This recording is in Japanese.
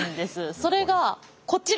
それがこちら。